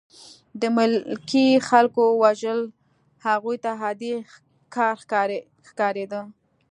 د ملکي خلکو وژل هغوی ته عادي کار ښکارېده